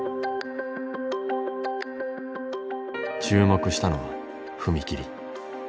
注目したのは踏み切り。